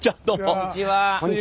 こんにちは。